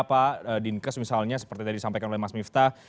pak dinkes misalnya seperti tadi disampaikan oleh mas miftah